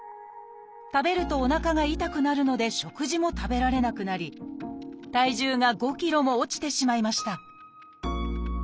食べるとおなかが痛くなるので食事も食べられなくなり体重が５ｋｇも落ちてしまいました